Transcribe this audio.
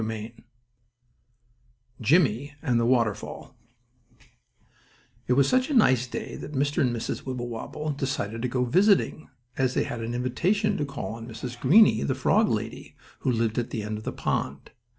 STORY IV JIMMIE AND THE WATERFALL It was such a nice day that Mr. and Mrs. Wibblewobble decided to go visiting, as they had an invitation to call on Mrs. Greenie, the frog lady who lived at the end of the pond.